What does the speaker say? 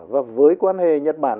và với quan hệ nhật bản